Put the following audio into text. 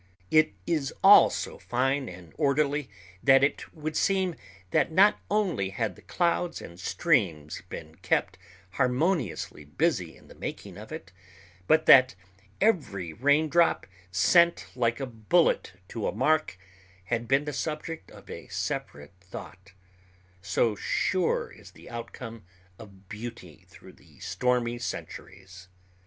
It is all so fine and orderly that it would seem that not only had the clouds and streams been kept harmoniously busy in the making of it, but that every raindrop sent like a bullet to a mark had been the subject of a separate thought, so sure is the outcome of beauty through the stormy centuries.